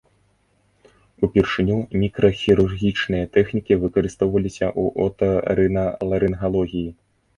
Упершыню мікрахірургічныя тэхнікі выкарыстоўваліся ў отарыналарынгалогіі.